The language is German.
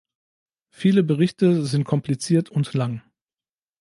Viele Berichte sind kompliziert und lang.